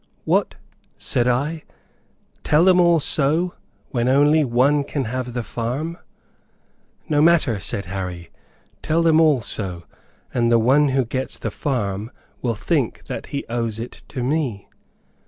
'What!' said I; 'tell them all so, when only one can have the farm?' 'No matter;' said Harry: 'tell them all so; and the one who gets the farm will think that he owes it to me.'